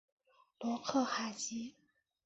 洛克海吉。